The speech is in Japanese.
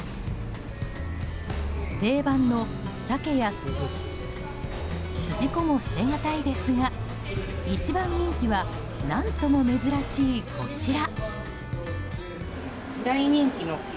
定番の鮭やすじこも捨てがたいですが一番人気は何とも珍しい、こちら。